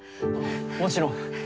もちろん。